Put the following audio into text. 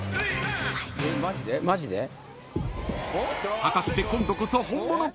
［果たして今度こそ本物か？